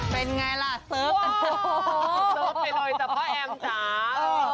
เป็นไงล่ะเซิร์ฟไปเลยว้าวเซิร์ฟไปเลยจ้ะพ่อแอมจ้า